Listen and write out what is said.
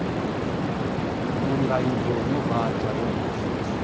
オンライン上のバーチャルオフィスです。